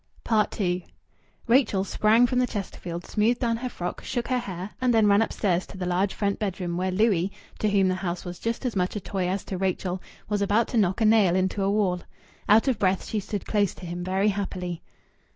II Rachel sprang from the Chesterfield, smoothed down her frock, shook her hair, and then ran upstairs to the large front bedroom, where Louis, to whom the house was just as much a toy as to Rachel, was about to knock a nail into a wall. Out of breath, she stood close to him very happily.